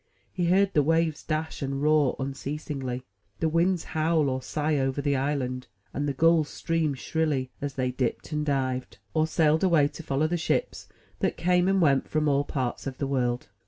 He heard the waves dash and roar unceasingly; the winds howl or sigh over the island; and the gulls scream shrilly as they dipped and dived, or sailed away to follow the ships that came and went from all parts of the world.